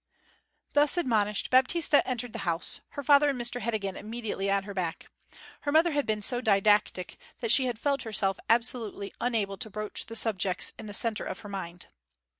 Thus admonished, Baptista entered the house, her father and Mr Heddegan immediately at her back. Her mother had been so didactic that she had felt herself absolutely unable to broach the subjects in the centre of her mind.